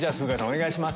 お願いします。